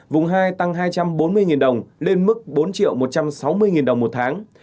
vùng hai tăng hai trăm bốn mươi đồng lên mức bốn một trăm sáu mươi đồng một tháng